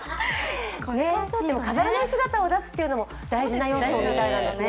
飾らない姿を出すというのも大事な要素なんですね。